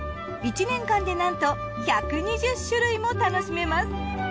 １年間でなんと１２０種類も楽しめます。